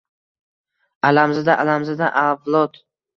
Alam-zada-alamzada avlod!